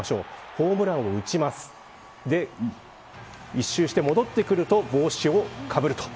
ホームランを打って１周して戻ってくると帽子をかぶる。